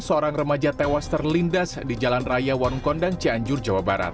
seorang remaja tewas terlindas di jalan raya wonkondang cianjur jawa barat